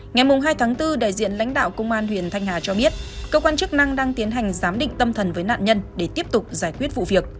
ngày hai tháng bốn đại diện lãnh đạo công an huyện thanh hà cho biết cơ quan chức năng đang tiến hành giám định tâm thần với nạn nhân để tiếp tục giải quyết vụ việc